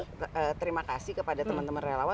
saya terima kasih kepada teman teman relawan